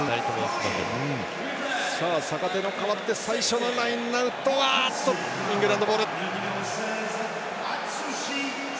坂手が代わって最初のラインアウトはイングランドボール。